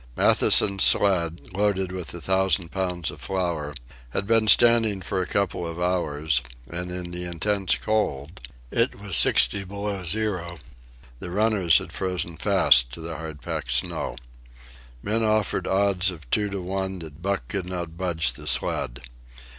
Matthewson's sled, loaded with a thousand pounds of flour, had been standing for a couple of hours, and in the intense cold (it was sixty below zero) the runners had frozen fast to the hard packed snow. Men offered odds of two to one that Buck could not budge the sled.